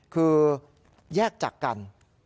คือแยกจากกัน